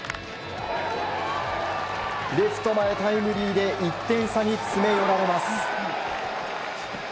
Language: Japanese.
レフト前タイムリーで１点差に詰め寄られます。